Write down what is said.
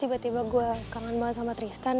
tiba tiba gue kangen banget sama tristan